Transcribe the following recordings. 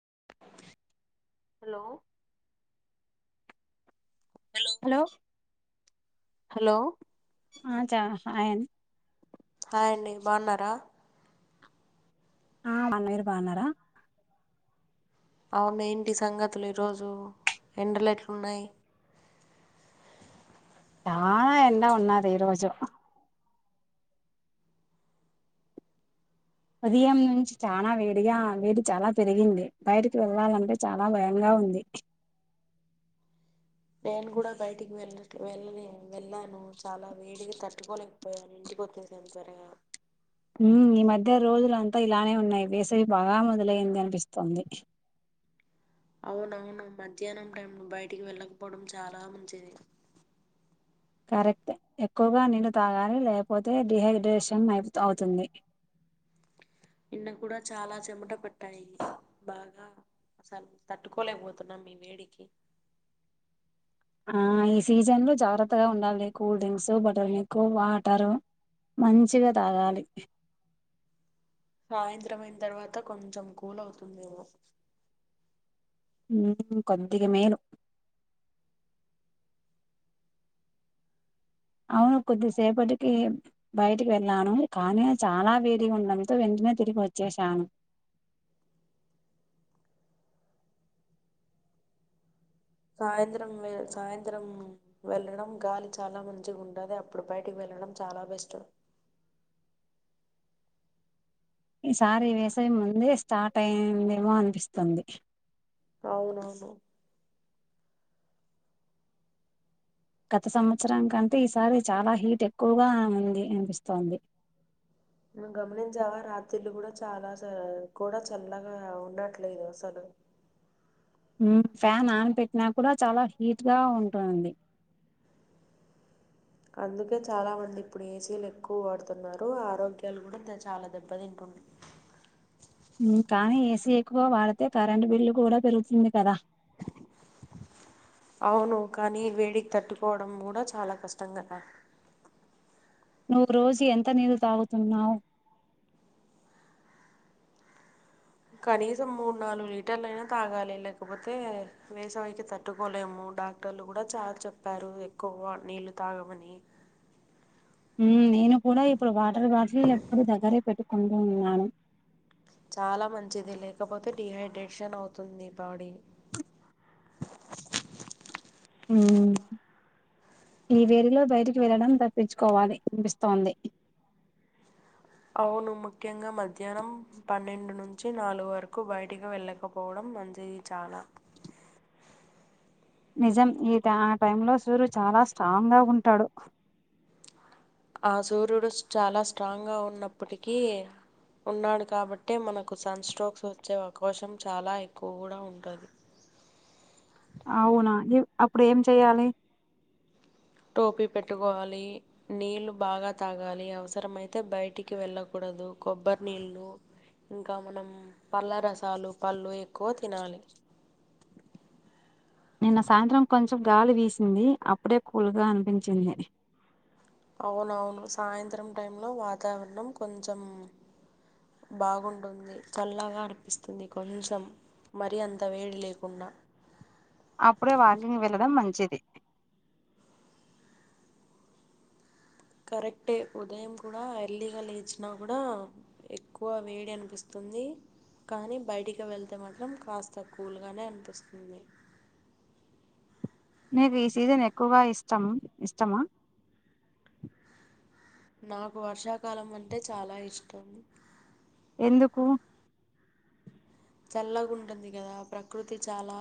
[inaudible] hello hello hello ఆ చ ఆయన్ హాయ్ అండి బాగున్నారా ఆ మీరు బాగున్నారా అవును ఇంటి సంగతులు ఈరోజు ఎండలు ఎట్లున్నాయి చాలా ఎండ ఉన్నది ఈ రోజు ఉదయం నుంచి చానా వేడిగా వేడి చాలా పెరిగింది బయటకి వెళ్ళాలంటే చాలా భయంగా ఉంది [inaudible] నేను కూడా బయటికి వెళ్ళట్లె వెళ్ళే వెళ్ళాను చాలా వేడికి తట్టుకోలేకపోయాను ఇంటి పోతున్నం త్వరగా ఊమ్ ఈ మధ్య రోజులంతా ఇలానే ఉన్నాయి వేసవి బాగా మొదలైంది అనిపిస్తోంది అవునవును మధ్యాహ్నం టైం ను బయటికి వెళ్ళకపోవడం చాలా మంచిది కరెక్టే ఎక్కువగా నీళ్ళు తాగాలి లేకపోతే డిహైడ్రేషన్ అయి అవుతుంది నిన్న కూడా చాలా చెమట పట్టాయి బాగా అసలు తట్టుకోలేకపోతున్నాం ఈ వేడికి ఆ ఈ సీజన్ లో జాగ్రత్తగా ఉండాలి cool drinks butter milk water మంచిగా తాగాలి [inaudible] సాయంత్రం అయిన తర్వాత కొంచెం కూల్ అవుతుందేమో హూమ్ కొద్దిగ మేలు అవును కొద్దిసేపటికి బయటికి వెళ్ళాను కానీ చాలా వేడిగా ఉండంతో వెన్ నే తిరిగి వచ్చేశాను [inaudible] సాయంత్రం వె సాయంత్రం వెళ్ళడం గాలి చాలా మంచిగా ఉంటది అప్పుడు బయటికి వెళ్ళ ఎళ్డం చాలా బెస్ట్ ఈసారి వేసవి ముందే స్టార్ట్ అయ్యిందేమో అనిపిస్తుంది అవునవును గత సంవత్సరం కంటే ఈసారి చాలా హీట్ ఎక్కువగా ఉంది అనిపిస్తోంది [inaudible] నువ్ గమనించావా రాత్రిల్లు కూడా చాలా స కూడా చల్లగా ఉండట్లేదు అసలు [inaudible] ఊమ్ ఫ్యాన్ ఆన్ పెట్టినా కూడా చాలా హీట్ గా ఉంటూంది [inaudible] అందుకే చాలా మంది ఇప్పుడు ఏసీలు ఎక్కువ వాడుతున్నారు ఆరోగ్యాలు కూడా దె చాలా దెబ్బ తింటు [inaudible] ఊ కానీ ఏసీ ఎక్కువ వాడితే కరెంట్ బిల్లు కూడా పెరుగుతుంది కదా అవును కానీ వేడికి తట్టుకోవడం కూడా చాలా కష్టం కదా నువ్వు రోజు ఎంత నీళ్ళు తాగుతున్నావు కనీసం మూడు నాలుగు లీటర్లు అయినా తాగాలి లేకపోతే వేసవికి తట్టుకోలేము డాక్టర్లు కూడ చాలా చెప్పారు ఎక్కువ వా నీళ్లు తాగమని ఊమ్ నేను కూడ ఇప్పుడు వాటర్ బాటిల్ ఎప్పుడు దగ్గరే పెట్టుకుంటూ ఉన్నాను చాలా మంచిది లేకపోతే డిహైడ్రేషన్ అవుతుంది బాడీ [inaudible] ఊం ఈ వేడిలో బయటికి వెళ్ళడం తప్పించుకోవాలి అనిపిస్తోంది [inaudible] అవును ముఖ్యంగా మధ్యాహ్నం పన్నెండు నుంచి నాలుగు వరకు బయటికి వెళ్ళకపోవడం మం ది చాల నిజం ఈట ఆ టైంలో సూర్యుడు చాల స్ట్రాంగ్గా ఉంటాడు ఆ సూర్యుడు చాలా స్ట్రాంగ్గా ఉన్నప్పటికీ ఉన్నాడు కాబట్టే మనకు సన్ స్ట్రోక్స్ వచ్చే అవకాశం చాలా ఎక్కువ కూడా ఉంటాది [inaudible] అవునా అప్పుడు ఏం చెయ్యాలి టోపీ పెట్టుకోవాలి నీళ్ళు బాగా తాగాలి అవసరం అయితే బయటికి వెళ్ళకూడదు కొబ్బరి నీళ్ళు ఇంకా మనం పళ్ళ రసాలు పళ్ళు ఎక్కువ తినాలి నిన్న సాయంత్రం కొంచెం గాలి వీసింది అప్పుడే కూల్గా అనిపించింది అవునవును సాయంత్రం టై లో వాతావరణం కొంచెం బాగుంటుంది చల్లగా అనిపిస్తుంది కొంచెం మరిీ అంత వేడి లేకుండా అప్పుడే వాకింగ్ వెళ్ళడం మంచిది కరెక్టే ఉదయం కూడా ఎర్లీగా లేచిన కూడా ఎక్కువ వేడి అనిపిస్తుంది కానీ బయటికి వెళ్తే మాత్రం కాస్త కూల్గానే అనిపిస్తుంది నీకు ఈ సీజన్ ఎక్కువ ఇష్టం ఇష్టమా నాకు వర్షాకాలం అంటే చాలా ఇష్టం ఎందుకు చల్లగాంటుంది కదా ప్రకృతి చాలా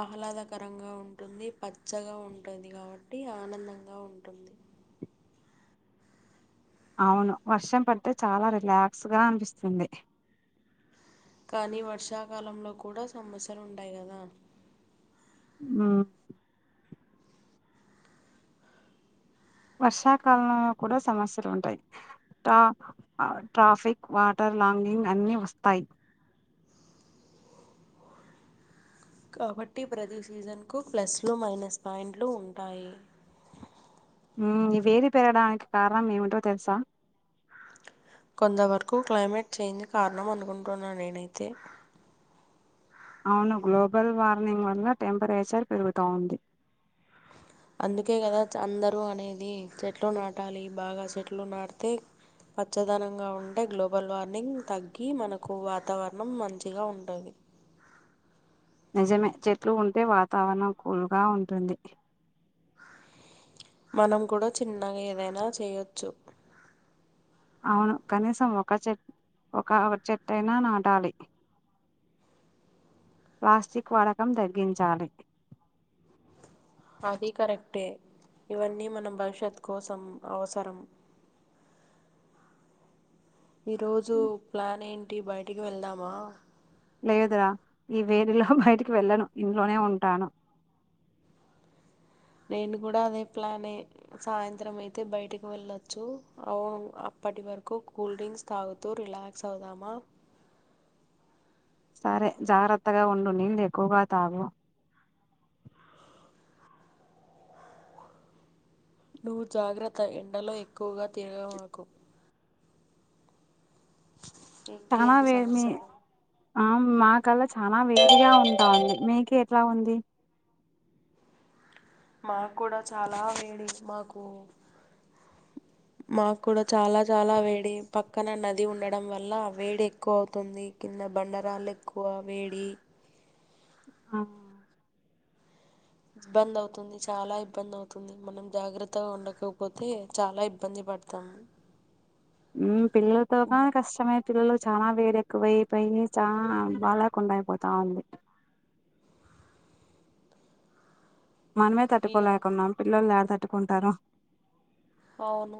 ఆహ్లాదకరంగా ఉంటుంది పచ్చగా ఉంటుంది కాబట్టి ఆనందంగా ఉంటుంది అవును వర్షం పడితే చాలా రిలాక్స్ గా అనిపిస్తుంది కానీ వర్షాకాలంలో కూడా సమస్యలు ఉంటయి కదా మ్మ్ వర్షాకాలంలో కూడా సమస్యలు ఉంటాయి టా ట్రాఫిక్ వాటర్ లాంగింగ్ అన్ని వస్తాయి కాబట్టి ప్రతి సీజన్ కు ప్లస్లు మైనస్ పాయింట్లు ఉంటాయి మ్మ్ ఈ వేడి పెరడానికి కారణం ఏమిటో తెలుసా కొంతవరకు క్లైమేట్ చేంజ్ కారణం అనుకుంటున్నా నేనైతే అవును గ్లోబల్ వార్మింగ్ వల్ల టెంపరేచర్ పెరుగుత ఉంది అందుకే కదా అందరు అనేది చెట్లు నాటాలి బాగా చెట్లు నాటితే పచ్చదనంగా ఉంటే గ్లోబల్ వార్మింగ్ తగ్గి మనకు వాతావరణం మంచిగా ఉంటుంది నిజమే చెట్లు ఉంటే వాతావరణం కూల్గా ఉంటుంది మనం కూడా చిన్నగా ఏదైనా చేయొచ్చు అవును కనీసం ఒక చెట్ ఒక చెట్టైన నాటాలి ప్లాస్టిక్ వడకం తగ్గించాలి అది కరెక్టే ఇవన్నీ మన భవిష్యత్ కోసం అవసరం ఈరోజు ప్లాన్ ఏంటి బయటికి వెళ్దామా లేదు రా ఈ వేడిలో బయటికి వెళ్ళను ఇంట్లోనే ఉంటాను నేను కూడా అదే ప్లానే సాయంత్రం అయితే బయటికి వెళ్ళొచ్చు అవును అప్పటి వరకు కూల్ డ్రింక్స్ తాగుతూ రిలాక్స్ అవుదామా సరే జాగ్రత్తగా ఉండు నీళ్ళు ఎక్కువగా తాగు నువ్వు జాగ్రత్త ఎండలో ఎక్కువగా తిరగ మాకు చానా ఇంకేంటి వేడి మీ సమాచారం ఆ మా కల్లా చాలా వేటిగా ఉంటాంది మీకు ఎట్లా ఉంది మాకు కూడా చాలా వేడి మాకు మాకు కూడా చాలా చాలా వేడి పక్కన నది ఉండడం వల్ల వేడి ఎక్కువ అవుతుంది కింద ద బండరాలు ఎక్కువ వేడి ఆ ఇబ్బంది అవుతుంది చాలా ఇబ్బంది అవుతుంది మనం జాగ్రత్తగా ఉండకపోతే చాలా ఇబ్బంది వత్త మ్మ్ పిల్లలతో నా కష్టమే పిల్లల చాలా వేడేక్కువైపోయి చాలా బాలేకుండా అయిపోతా ఉంది మనమే ఇగ తట్టుకోలేకున్నాం పిల్లొల్లు యాడ తట్టుకుంటారు అవును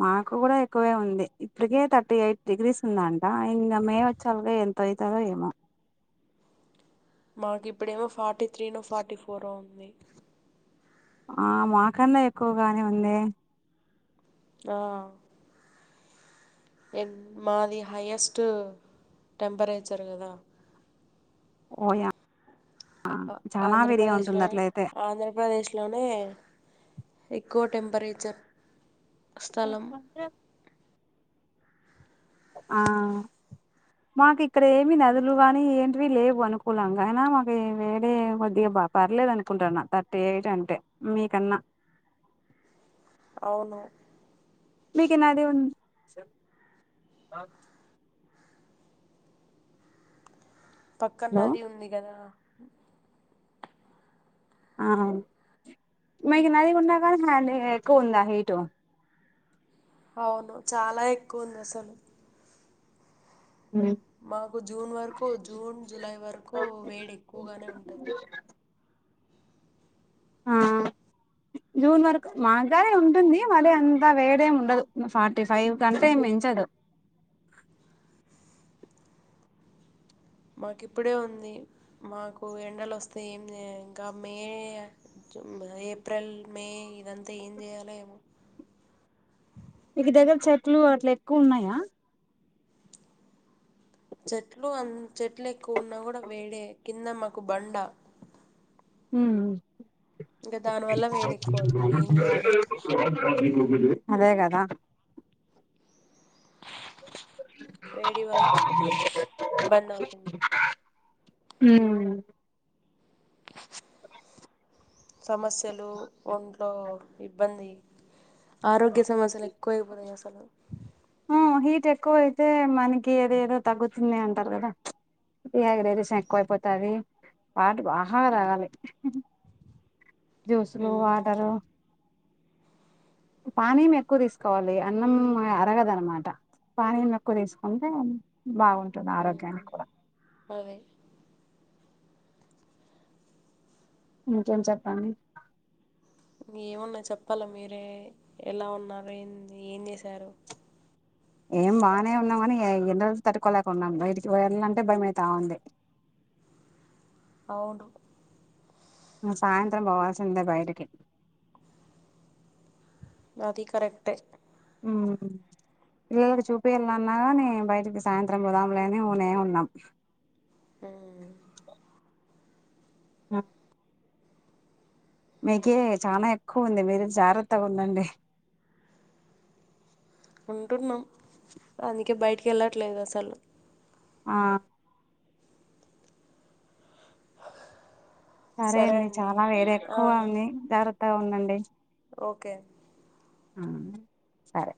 మాకు కూడా ఎక్కువే ఉంది ఇప్పటికే థర్టీ ఎయిట్ డిగ్రీస్ ఉందంట ఇంగా మే వచే సరికి ఎంతయితాదో ఏమో మాకు ఇప్పుడేమో forty three no forty four ఉంది ఆ మాకన్నా ఎక్కువగానే ఉందే ఆ ఎ మాది హైయెస్ట్ టెంపరేచర్ కదా ఓయా చానా వేడిగా ఆంధ్రప్రదేశ్ లో ఉంటుంది ఏమో అట్లయితే ఆంధ్రప్రదేశ్ ఇట్లోనే ఎక్కువ టెంపరేచర్ స్థలం [unintelligible] ఆ మాకు ఇక్కడ ఏమి నదులు కానీ ఏంటివి లేవు అనుకూలంగాఆయినా మాకు వేడే కొద్దిగా పర్లే లేదు అనుకుంటున్న థర్టీ ఎయిట్ అంటే మీకన్నా అవును మీకు నది ఉం పక్కన హలో నది ఉంది కదా ఆహ మీకు నది ఉన్నా కానీ హ్యాండ్ ఎక్కువ ఉందా హీటు అవును చాలా ఎక్కువ ఉంది అసలు మాకు జూన్ వరకు జూన్ జులై వరకు వేడి ఎక్కువగానే ఉంటది ఆ జూన్ వరకు మాగాని ఉంటుంది మరి అంతా వేడేమీ ఉండదు ఫార్టీ ఫైవ్ కంటే మించదు మాకు ఇప్పుడే ఉంది మాకు ఎండలు వస్తే ఏమి ఇంకా మే ఏప్రిల్ మే ఇదంతా ఏం చేయాల ఏమో మీకు దగ్గర చెట్లు అట్లా ఎక్కువ ఉన్నాయా చెట్లు అ చెట్లు ఎక్కువ ఉన్నా కూడా వేడే కింద మాకు బండ ఉమ్ ఇంకా దాని వల్ల వేడి ఎక్కువ అవుతుంది ఏం చేయాలి అదే కదా వేడి వల బన్నకు ఊమ్ సమస్యలు ఒంట్లో ఇబ్బంది ఆరోగ్య సమస్యల కోయి బోని అసలు ఆ హీట్ ఎక్కువ అయితే మనకి ఏదో ఏదో తగ్గుతుంది అంటారు కదా ఇగరే దేశం ఎక్కువైపోతది ఆట బాగా ఆహా రావాలి జ్యూసులు ఉమ్ వాటరు పానీయం ఎక్కువ తీసుకోవాలి అన్నం అరగదన్నమాట పానీయం ఎక్కువ తీసుకుంటే బాగుంటుంది ఆరోగ్యానికి కూడా అవే ఇంకేం చెప్పండి ఏమున్నా చెప్పాలా మీరే ఎలా ఉన్నారు ఏ ఏం చేశారు మేము బానే ఉన్నాం కాని ఎండలు తట్టుకోలేక ఉన్నాం బయటికి వెళ్దామంటే భయమవుతా ఉంది అవును ఇంగ సాయంత్రం పోవాల్సిందే బయకి అది కరెక్ట్ ఏ ఉమ్ వేడి చూపియలనవ్ అని బయటికి సాయంత్రం పోదాములే అని ఊనే ఉన్నాం ఓ ఆ మీకే చానా ఎక్కువ ఉంది మీరు జాగ్రత్తగా ఉండండి ఉంటున్నాం అందుకే బయటికి వెళ్ళట్లేదు అసలు ఆ సరే అండి చాలా వేడీ ఆ, ఎక్కువ ఉంది జాగ్రత్తగా ఉండండి ఓకే ఆ సరే